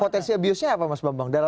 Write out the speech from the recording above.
potensi abusnya apa mas bambang